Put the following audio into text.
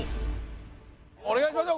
お願いしますよ